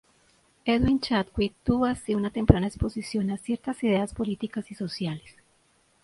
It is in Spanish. Edwin Chadwick tuvo así una temprana exposición a ciertas ideas políticas y sociales.